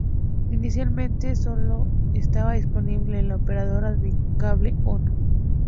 Inicialmente sólo estaba disponible en la operadora de cable Ono.